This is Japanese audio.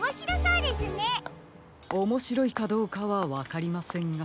おもしろいかどうかはわかりませんが。